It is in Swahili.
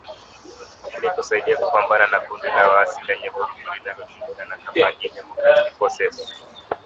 Ili kusaidia kupambana na kundi la waasi lenye vurugu linalojulikana kama Allied Democratic Forces (ADF)